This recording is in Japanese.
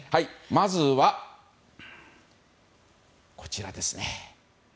まずは、こちらですね。